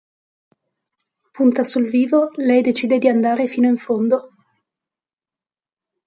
Punta sul vivo, lei decide di andare fino in fondo.